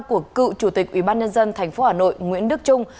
của cựu chủ tịch ủy ban nhân dân tp hà nội nguyễn đức trung